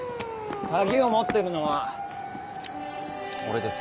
鍵を持ってるのは俺です。